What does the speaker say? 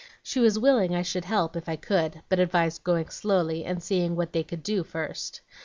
She was willing I should help if I could, but advised going slowly, and seeing what they could do first.